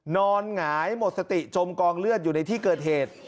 หงายหมดสติจมกองเลือดอยู่ในที่เกิดเหตุ